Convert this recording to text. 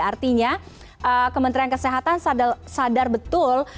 artinya kementerian kesehatan sadar betul